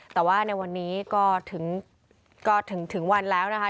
แต่ว่าในวันนี้ก็ถึงวันแล้วนะคะ